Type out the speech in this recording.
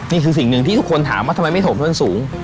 นี่คือสิ่งหนึ่งที่ทุกคนถามว่าทำไมไม่ถมเพิ่มสูง